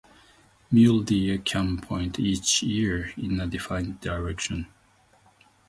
Mule deer can point each ear in a different direction.